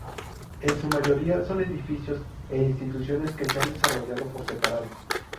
En su mayoría son edificios e instituciones que se han desarrollado por separado.